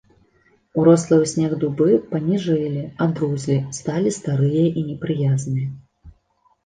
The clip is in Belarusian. Урослыя ў снег дубы паніжэлі, адрузлі, сталі старыя і непрыязныя.